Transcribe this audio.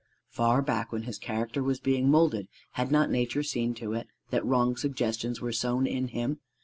Far back when his character was being moulded, had not Nature seen to it that wrong suggestions were sown in him?